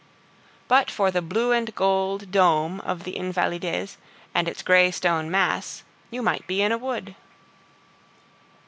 But for the blue and gold dome of the Invalides and its gray stone mass, you might be in a wood.